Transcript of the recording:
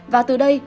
và từ đây